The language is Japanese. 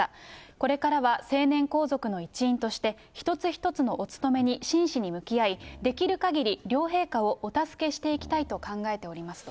これからは成年皇族の一員として、一つ一つのお務めに真摯に向き合い、できるかぎり両陛下をお助けしていきたいと考えておりますと。